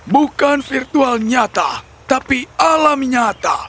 bukan virtual nyata tapi alam nyata